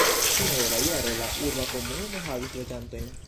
Fine de la jaro la urba komunumo havis loĝantojn.